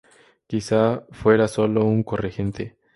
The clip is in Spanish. Quizá fuera sólo un corregente.